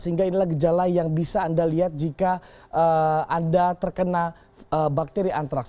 sehingga inilah gejala yang bisa anda lihat jika anda terkena bakteri antraks